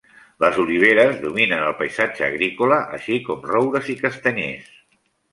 Les oliveres dominen el paisatge agrícola, així com roures i castanyers.